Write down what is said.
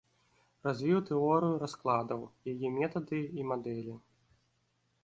Развіў тэорыю раскладаў, яе метады і мадэлі.